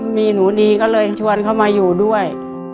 มีหนูดีก็เลยชวนเขามาอยู่ด้วย